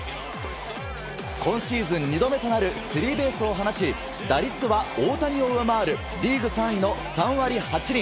今シーズン２度目となるスリーベースを放ち打率は大谷を上回るリーグ３位の３割８厘。